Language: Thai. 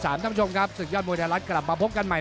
ท่านผู้ชมครับศึกยอดมวยไทยรัฐกลับมาพบกันใหม่